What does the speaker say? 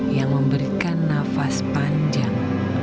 yang memberikan nafas panjang